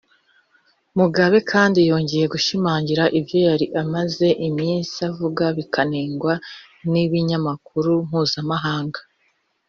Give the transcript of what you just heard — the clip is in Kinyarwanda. Mugabe kandi yongeye gushimangira ibyo yari amaze iminsi avuga bikanengwa n’ibinyamakuru mpuzamahanga